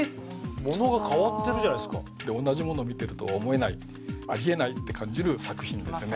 ものが変わってるじゃないですか同じものを見てるとは思えないありえないって感じる作品ですね